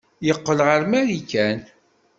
Yeqqel ɣer Marikan.